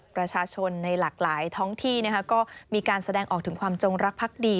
ประชาชนในหลากหลายท้องที่ก็มีการแสดงออกถึงความจงรักพักดี